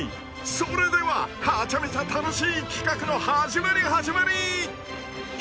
［それではハチャメチャ楽しい企画の始まり始まり］